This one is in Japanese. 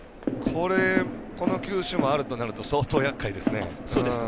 これ、この球種もあるとなると相当、やっかいですね。